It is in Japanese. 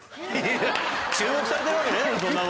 注目されてるわけねえだろ